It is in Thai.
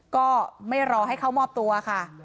ก็ไม่รอให้เข้ามอบตัวค่ะ